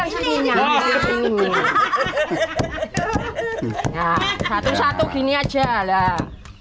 satu satu gini aja lah